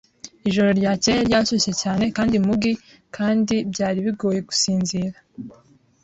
Ijoro ryakeye ryashyushye cyane kandi muggy kandi byari bigoye gusinzira.